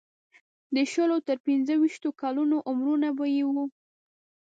د شلو تر پنځه ویشتو کلونو عمرونه به یې وو.